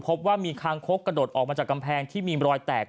พบว่ามีคางคกกระโดดออกมาจากกำแพงที่มีรอยแตก